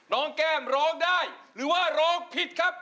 แก้มร้องได้หรือว่าร้องผิดครับ